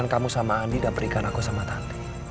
maksud kamu sama andi dan pernikahan aku sama tanti